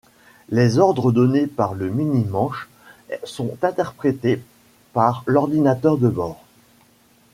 Les ordres donnés par le minimanche sont interprétés par l'ordinateur de bord.